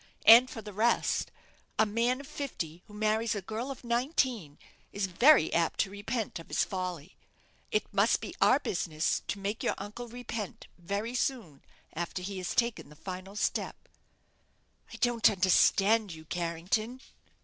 And for the rest, a man of fifty who marries a girl of nineteen is very apt to repent of his folly. It must be our business to make your uncle repent very soon after he has taken the fatal step." "I don't understand you, Carrington."